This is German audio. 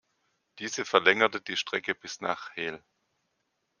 Diese verlängerte die Strecke bis nach Hel.